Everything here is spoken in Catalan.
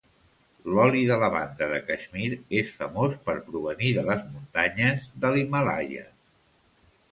L'oli de lavanda de Caixmir és famós per provenir de les muntanyes de l'Himàlaia.